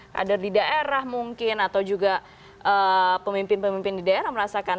kader di daerah mungkin atau juga pemimpin pemimpin di daerah merasakan